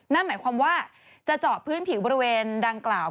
นั่นหมายความว่าจะเจาะพื้นผิวบริเวณดังกล่าว